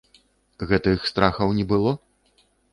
Гэтых страхаў не было?